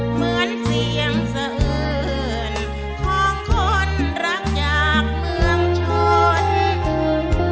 เหมือนเสียงเสริญของคนรักจากเมืองชน